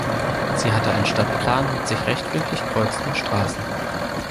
Sie hatte einen Stadtplan mit sich rechtwinklig kreuzenden Straßen.